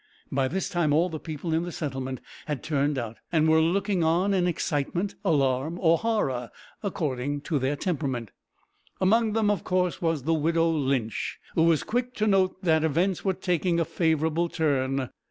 By this time all the people in the settlement had turned out, and were looking on in excitement, alarm, or horror, according to temperament. Among them, of course, was the widow Lynch, who was quick to note that events were taking a favourable turn.